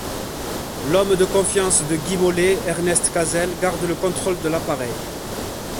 L'homme de confiance de Guy Mollet, Ernest Cazelle garde le contrôle de l'appareil.